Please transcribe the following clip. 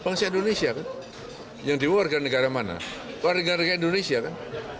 bangsa indonesia kan yang demo warga negara mana warga negara indonesia kan